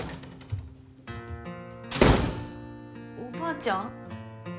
おばあちゃん？